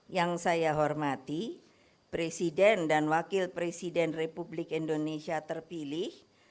yang saya hormati presiden dan wakil presiden republik indonesia terpilih dua ribu sembilan belas dua ribu dua puluh empat